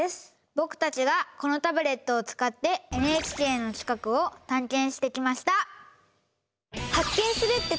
僕たちがこのタブレットを使ってＮＨＫの近くを探検してきました！